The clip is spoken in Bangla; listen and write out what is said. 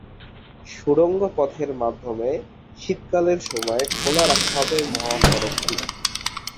সুড়ঙ্গ পথের মধ্যমে শীতকালের সময়ে খোলা রাখা হবে মহাসড়কটি।